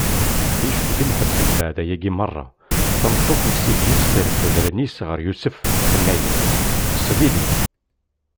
Yusef di lḥebs Mbeɛd ayagi meṛṛa, tameṭṭut n ssid-is terfed allen-is ɣer Yusef, tenna-yas: Ṭṭeṣ yid-i!